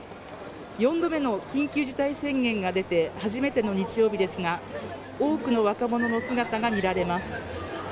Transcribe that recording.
４度目の緊急事態宣言が出て、初めての日曜日ですが、多くの若者の姿が見られます。